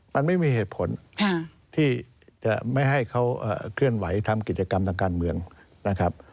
มันไม่มีเหตุผลที่จะไม่ให้เขาเคลื่อนไหวทำกิจกรรมทางการเมืองนะครับ